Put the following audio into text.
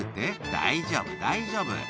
大丈夫大丈夫」